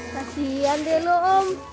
kasian deh lo om